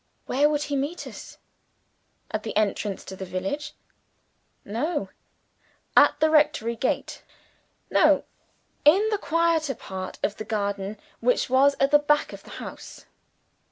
Where would he meet us? At the entrance to the village? No. At the rectory gate? No. In the quieter part of the garden which was at the back of the house?